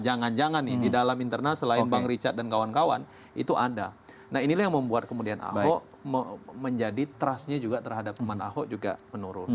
jangan jangan nih di dalam internal selain bang richard dan kawan kawan itu ada nah inilah yang membuat kemudian ahok menjadi trustnya juga terhadap teman ahok juga menurun